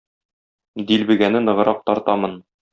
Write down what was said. Дилбегәне ныграк тартамын.